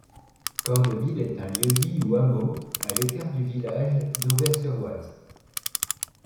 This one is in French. Cordeville est un lieu-dit ou hameau à l'écart du village d'Auvers-sur-Oise.